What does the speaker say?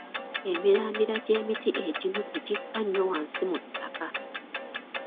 Emirandira gy'emiti egimu tegikka nnyo wansi mu ttaka.